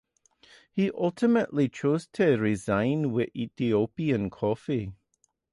He ultimately chose to resign with Ethiopian Coffee.